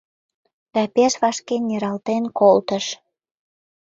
да пеш вашке нералтен колтыш.